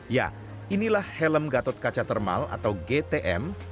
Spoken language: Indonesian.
ya inilah helm gatot kaca thermal atau gtm